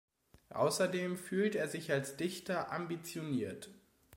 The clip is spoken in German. Außerdem fühlt er sich als Dichter ambitioniert.